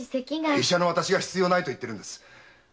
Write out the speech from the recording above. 医者の私が必要ないと言ってるんです！